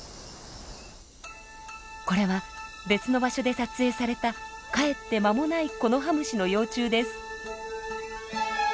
これは別の場所で撮影されたかえって間もないコノハムシの幼虫です。